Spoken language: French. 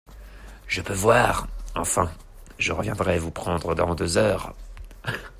Je veux voir... enfin, je reviendrai vous prendre dans deux heures